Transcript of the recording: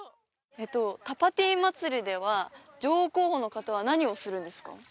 タパティ祭りでは女王候補の方は何をするんですか？